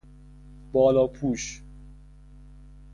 بالاپوش